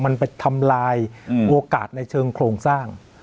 มันไปทำลายโอกาสในเชิงโครงสร้าง